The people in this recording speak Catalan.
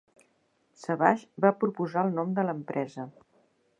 Savage va proposar el nom de l'empresa.